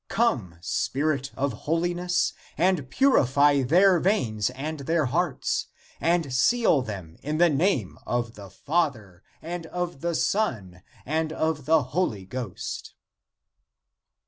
Come, spirit of holiness, and purify their veins and their hearts,^ And seal them in the name of the Father and of the Son and of the Holy Ghost."